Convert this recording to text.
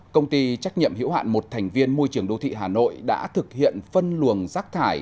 công ty trách nhiệm hiểu hạn một thành viên môi trường đô thị hà nội đã thực hiện phân luồng rác thải